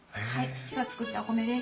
父が作ったお米です。